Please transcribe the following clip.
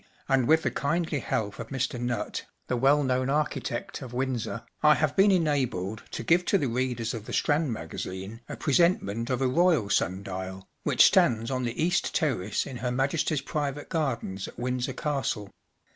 and with the kindly help of Mr. Nutt, the well known architect of Windsor, I have been enabled to give to the readers of The Sthanh Magazine a presentment of a Royal sun dial, which stands on the east terrace in Her Majesty’s private gardens at Windsor Castle.